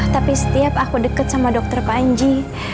tapi setiap aku dekat sama dokter panji